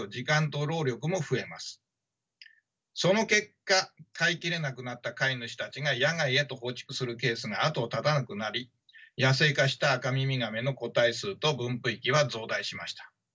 その結果飼い切れなくなった飼い主たちが野外へと放逐するケースが後を絶たなくなり野生化したアカミミガメの個体数と分布域は増大しました。